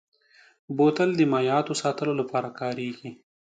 بوتل د مایعاتو ساتلو لپاره کارېږي.